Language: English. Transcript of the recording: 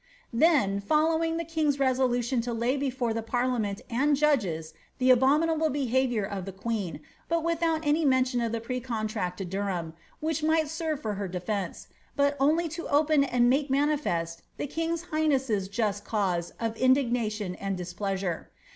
Tlien follows, " the king's resolution to lay be parliament and judges the abominable behaviour of the queen, but witt mention of precontract to Derham, * which mijj^ht serve for her defei only to open and make manifest the king's highness's just cause of ind and displeasure.